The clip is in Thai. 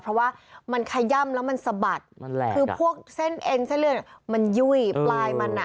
เพราะว่ามันขย่ำแล้วมันสะบัดนั่นแหละคือพวกเส้นเอ็นเส้นเลือดมันยุ่ยปลายมันอ่ะ